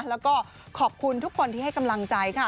แล้วก็ขอบคุณทุกคนที่ให้กำลังใจค่ะ